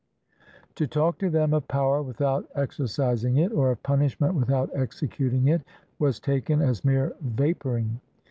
To talk to them of power without exer cising it, or of punishment without executing it, was taken as mere vaporing.